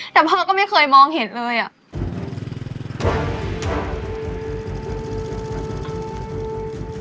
แต่พ่อก็ไม่เคยมองเห็นเลยอ่ะ